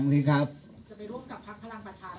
จะไปร่วมกับพลังประชารักษ์ไหมคะ